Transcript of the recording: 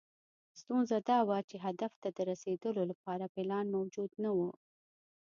ستونزه دا وه چې هدف ته د رسېدو لپاره پلان موجود نه و.